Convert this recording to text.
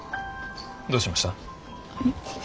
どうしました？